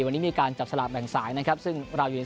วันนี้มีการจับสลากแบ่งสายแล้ว